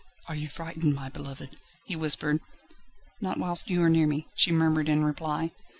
"Are you frightened, my beloved?" he whispered. "Not whilst you are near me," she murmured in reply.